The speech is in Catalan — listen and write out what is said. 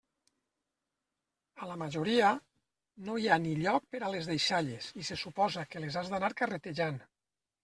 A la majoria, no hi ha ni lloc per a les deixalles i se suposa que les has d'anar carretejant.